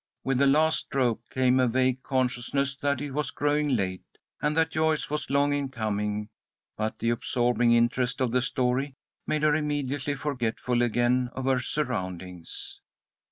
With the last stroke came a vague consciousness that it was growing late, and that Joyce was long in coming, but the absorbing interest of the story made her immediately forgetful again of her surroundings.